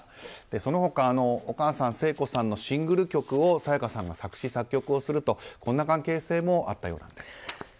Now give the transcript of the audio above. その他、お母さん聖子さんのシングル曲を沙也加さんが作詞・作曲するという関係性もあったようなんです。